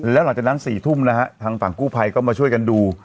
แล้วหลังจากนั้น๔ทุ่มนะฮะทางฝั่งกู้ภัยก็มาช่วยกันดู